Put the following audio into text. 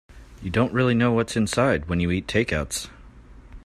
You don't really know what's inside when you eat takeouts.